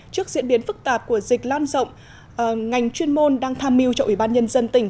trước diễn biến phức tạp của dịch lan rộng ngành chuyên môn đang tham mưu cho ủy ban nhân dân tỉnh